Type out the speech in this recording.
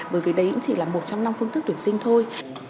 bởi vì đấy cũng chỉ là một trong năm phương thức tuyển sinh thôi